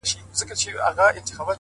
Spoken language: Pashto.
ما به کیسه درته کول، راڅخه ورانه سوله؛